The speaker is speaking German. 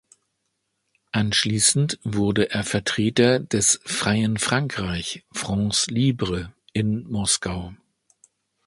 Anschließend wurde er Vertreter des Freien Frankreich "(France Libre)" in Moskau.